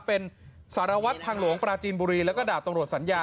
เป็นสารวัตรทางหลวงปราจีนบุรีแล้วก็ดาบตำรวจสัญญา